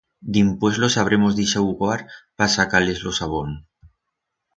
Dimpués los habremos d'ixauguar pa sacar-les lo sabón.